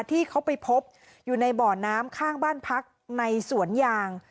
ที่เขาไปพบอยู่ในบ่อน้ำข้างบ้านพักในสวนยาง